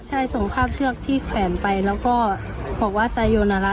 ใช่ส่งภาพเชือกที่แขวนไปแล้วก็บอกว่าใจโยนอะไร